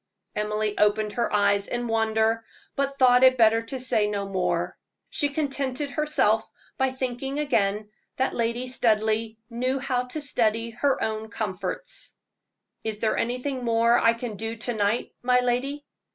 Emily opened her eyes in wonder, but thought it better to say no more. She contented herself by thinking again that Lady Studleigh knew how to study her own comforts. "Is there anything more I can do to night, my lady?"